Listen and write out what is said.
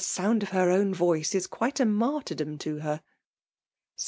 sound of her xtmn 'voies is <{uite a martyrdom to her f .